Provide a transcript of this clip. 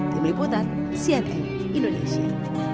tim liputan cnn indonesia